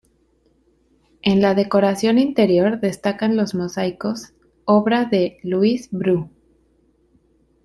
En la decoración interior destacan los mosaicos, obra de Lluís Bru.